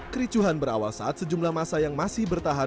kericuhan berawal saat sejumlah masa yang masih bertahan